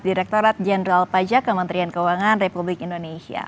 direkturat jenderal pajak kementerian keuangan republik indonesia